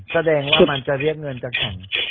แสดงว่ามันจะเรียกเงินจะแข่ง